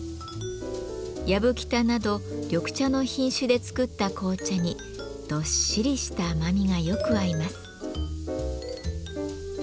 やぶきたなど緑茶の品種で作った紅茶にどっしりした甘みがよく合います。